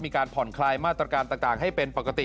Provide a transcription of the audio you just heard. มีการผ่อนคลายมาตรการต่างให้เป็นปกติ